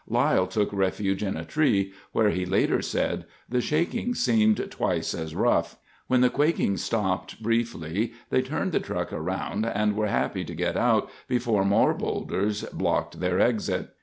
Lyle took refuge in a tree, where, he later said, the shaking seemed twice as rough. When the quaking stopped briefly, they turned the truck around and were happy to get out before more boulders blocked their exit.